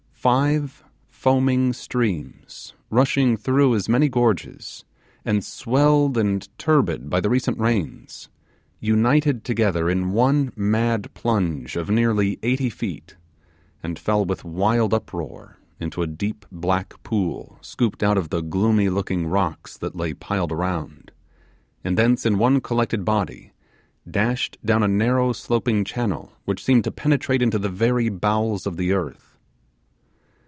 Five foaming streams, rushing through as many gorges, and swelled and turbid by the recent rains, united together in one mad plunge of nearly eighty feet, and fell with wild uproar into a deep black pool scooped out of the gloomy looking rocks that lay piled around, and thence in one collected body dashed down a narrow sloping channel which seemed to penetrate into the very bowels of the earth.